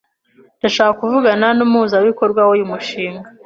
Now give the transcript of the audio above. Ndashaka kuvugana numuhuzabikorwa wuyu mushinga.